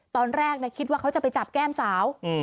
ตอนแรกคิดว่าเขาจะไปจับแก้มสาว